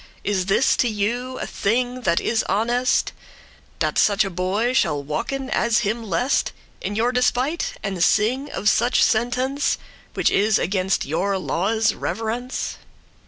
Is this to you a thing that is honest,* *creditable, becoming That such a boy shall walken as him lest In your despite, and sing of such sentence, Which is against your lawe's reverence?"